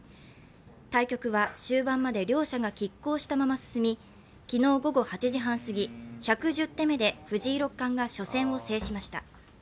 対局は終盤まで両者がきっ抗したまま進み、昨日午後８時半すぎ、１１０手目で藤井六冠が初戦を制しました。